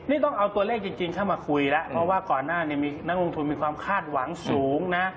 นี่ต้องเอาตัวเลขจริงเข้ามาคุยแล้วเพราะว่าก่อนหน้านี้มีนักลงทุนมีความคาดหวังสูงนะ